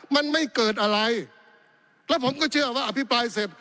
มันไม่เกิดอะไรแล้วผมก็เชื่อว่าอภิปรายเสร็จ